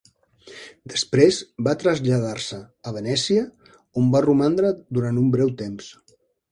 Després va traslladar-se a Venècia on va romandre durant un breu temps.